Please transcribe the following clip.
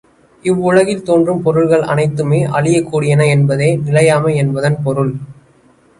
இவ்வுலகில் தோன்றும் பொருள்கள் அனைத்துமே அழியக் கூடியன என்பதே நிலையாமை என்பதன் பொருள்.